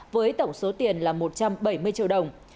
với tổng số tiền là một trăm bảy mươi triệu đồng